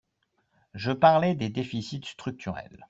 Je parlais des déficits structurels